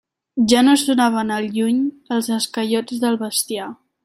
Ja no sonaven al lluny els esquellots del bestiar.